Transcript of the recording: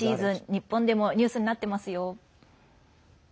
日本でもニュースになってますよ。